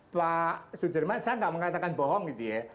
pak sudirman saya nggak mengatakan bohong gitu ya